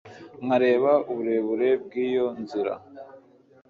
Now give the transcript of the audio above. nkareba uburebure bw'iyo nzira